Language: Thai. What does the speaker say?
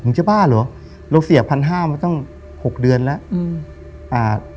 มึงเจบ้าเหรอเราเสียบ๑๕๐๐บาทก็ต้อง๖เดือนแล้ว